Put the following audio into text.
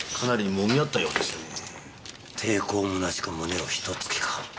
抵抗むなしく胸をひと突きか。